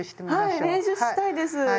はい練習したいです。